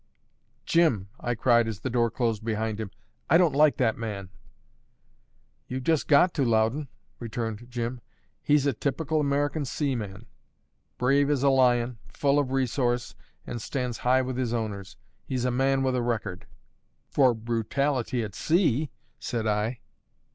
"Jim," I cried, as the door closed behind him, "I don't like that man." "You've just got to, Loudon," returned Jim. "He's a typical American seaman brave as a lion, full of resource, and stands high with his owners. He's a man with a record." "For brutality at sea," said I.